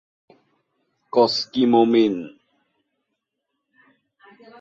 ইরাকি media outlet এবং তার ব্লগে একাধিক নিবন্ধ এ বিষয়ে প্রকাশিত হয়েছিল।